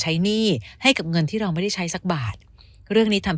หนี้ให้กับเงินที่เราไม่ได้ใช้สักบาทเรื่องนี้ทำ